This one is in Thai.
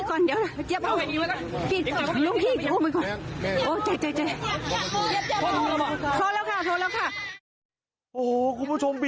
ตอนที่บอกเด็กร้อง